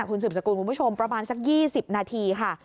คุณสืบสกุลคุณผู้ชมประมาณสัก๒๐นาทีค่ะ